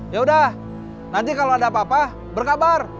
yaudah nanti kalau ada apa apa berkabar